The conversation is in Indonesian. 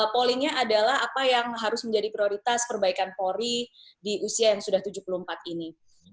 pollingnya adalah apa yang harus menjadi prioritas perbaikan polri di usia yang sudah tujuh puluh empat ini